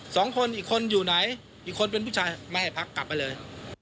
สองคนอีกคนอยู่ไหนอีกคนเป็นผู้ชายไม่ให้พักกลับไปเลย